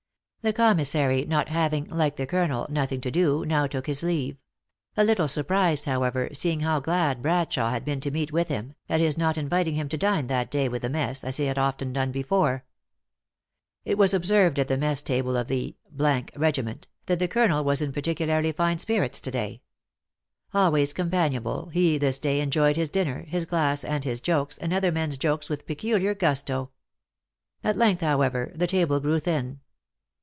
The commissary not having, like the colonel, noth ing to do, now took his leave ; a little surprised, how ever, seeing how glad Bradshawe had been to meet with him, at his not inviting him to dine that day with the mess, as he had often done before. It was observed at the mess table of the regi ment, that the colonel was in particularly fine spirits to day. Always companionable, he this day enjoyed his dinner, his glass, and his jokes, and other men s jokes, with peculiar gusto. At length, however, the table grew thin.